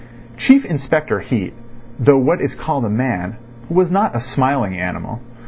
Chief Inspector Heat, though what is called a man, was not a smiling animal.